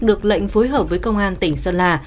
được lệnh phối hợp với công an tỉnh sơn la